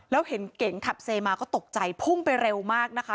แล้วเห็นเก๋งขับเซมาก็ตกใจพุ่งไปเร็วมากนะคะ